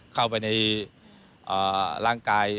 เข้าไปในร่างกาย